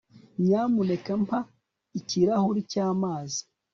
nyamuneka mpa ikirahuri cy'amazi